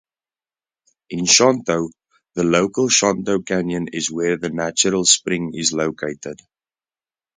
In Shonto, the local Shonto Canyon is where the natural spring is located.